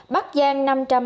bắc giang năm trăm ba mươi chín